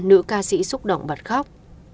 nữ ca sĩ xúc động bật khóc